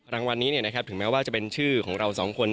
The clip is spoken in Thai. รางวัลนี้ถึงแม้ว่าจะเป็นชื่อของเราสองคน